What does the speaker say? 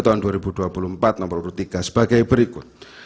tahun dua ribu dua puluh empat dua ribu dua puluh tiga sebagai berikut